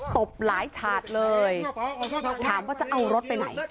ตบหลายฉาดเลยถามว่าจะเอารถไปไหน